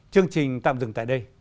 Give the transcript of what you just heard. chương trình tạm dừng tại đây